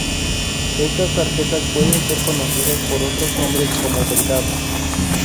Estas tarjetas pueden ser conocidas por otros nombres como delgado.